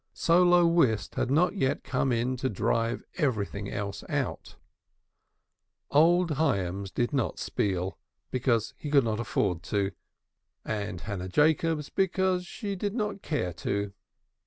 Solo whist had not yet come in to drive everything else out. Old Hyams did not spiel, because he could not afford to, and Hannah Jacobs because she did not care to.